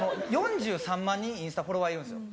４３万人インスタフォロワーいるんですよ。